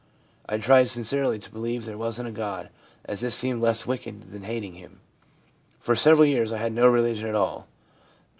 I tried sincerely to believe there wasn't a God, as this seemed less wicked than hating Him. For several years I had no religion at all.'